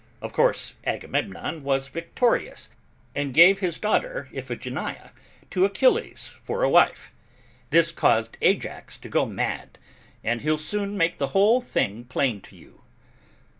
Of course Agamemnon was victorious, and gave his daughter Iphigenia, to Achilles, for a wife: This caused Ajax to go mad, and he'll soon make the whole thing plain to you."